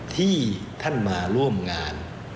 ที่ท่านมาร่วมงาน